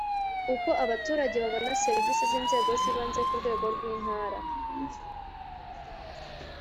Uko abaturage babona serivisi z inzego zibanze ku rwego rw intara